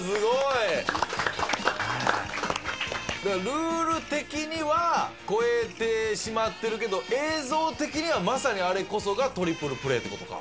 ルール的には超えてしまってるけど映像的にはまさにあれこそがトリプルプレーって事か。